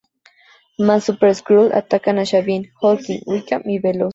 Más super-skrull atacan a Xavin, Hulkling, Wiccan y Veloz.